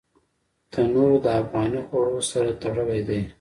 تنور د افغاني خوړو سره تړلی دی